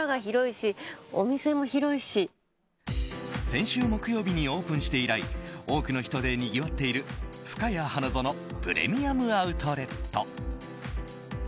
先週木曜日にオープンして以来多くの人でにぎわっているふかや花園プレミアム・アウトレット。